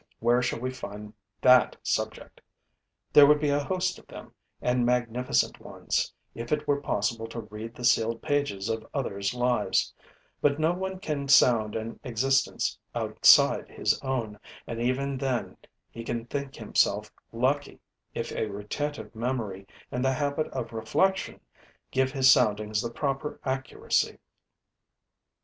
Where shall we find that subject? There would be a host of them and magnificent ones, if it were possible to read the sealed pages of others' lives; but no one can sound an existence outside his own and even then he can think himself lucky if a retentive memory and the habit of reflection give his soundings the proper accuracy.